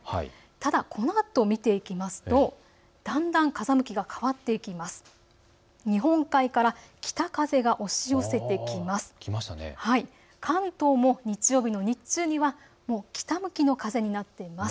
ただ、このあと見ていきますとだんだん風向きが変わっていきます。